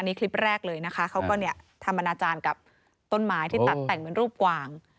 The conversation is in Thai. นี่คลิปแรกเลยนะคะเขาก็เนี่ยทำอนาจารย์กับต้นไม้ที่ตัดแต่งเป็นรูปกวาง